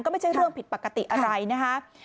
ก็ไม่ใช่เรื่องผิดปกติอะไรนะคะ